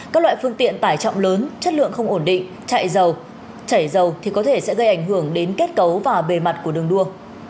các loại phương tiện tải trọng lớn chất lượng không ổn định chạy dầu chảy dầu thì có thể sẽ gây ảnh hưởng đến kết cấu và bề mặt của đường đua